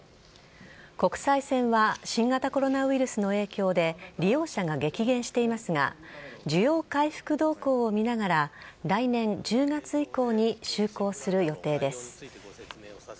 国際線は新型コロナウイルスの影響で、利用者が激減していますが、需要回復動向を見ながら、来年１０月以降に就航する予定です。